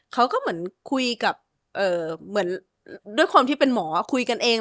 เขาก็เหมือนคุยกับเหมือนด้วยความที่เป็นหมอคุยกันเอง